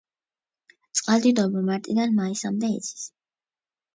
წყალდიდობა მარტიდან მაისამდე იცის.